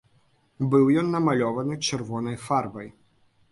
Быў ён намалёваны чырвонай фарбай.